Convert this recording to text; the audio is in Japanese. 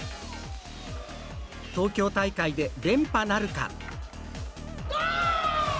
東京大会で連覇なるか！